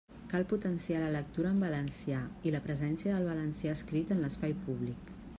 Cal potenciar la lectura en valencià i la presència del valencià escrit en l'espai públic.